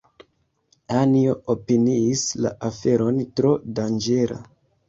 Anjo opiniis la aferon tro danĝera.